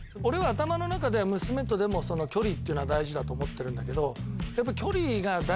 頭の中では娘とでも距離ってのは大事だと思ってるんだけど。